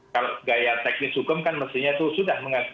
kalau gaya teknis hukum kan mestinya itu sudah